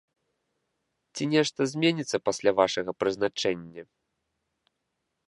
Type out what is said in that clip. Ці нешта зменіцца пасля вашага прызначэння?